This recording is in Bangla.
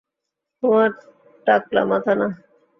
তোমার টাকলা মাথা না।